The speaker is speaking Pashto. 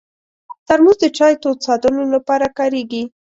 ترموز د چای تود ساتلو لپاره کارېږي.